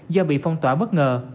do bị phong tỏa bất ngờ